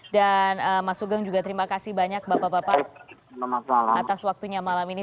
dan mas ugeng juga terima kasih banyak bapak bapak atas waktunya malam ini